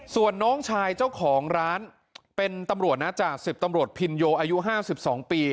ส่วนน้องชายเจ้าของร้านเป็นตำรวจนะจ่าสิบตำรวจพินโยอายุ๕๒ปี